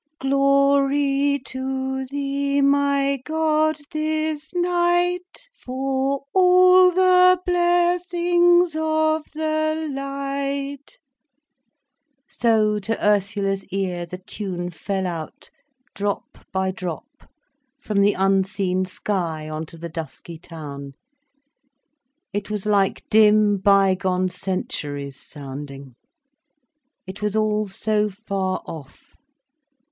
Glory to thee my God this night For all the blessings of the light— So, to Ursula's ear, the tune fell out, drop by drop, from the unseen sky on to the dusky town. It was like dim, bygone centuries sounding. It was all so far off.